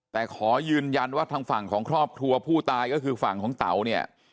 แต่ขอยืนยันว่าทางฝั่งของครอบครัวผู้ตายก็คือฝั่งของเต๋าเนี่ย